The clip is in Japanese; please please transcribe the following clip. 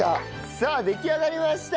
さあ出来上がりました！